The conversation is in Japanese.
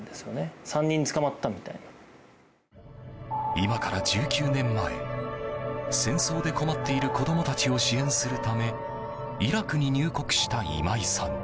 今から１９年前戦争で困っている子供たちを支援するためイラクに入国した今井さん。